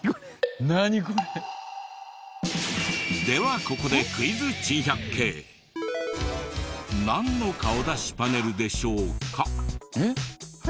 ではここでなんの顔出しパネルでしょうか？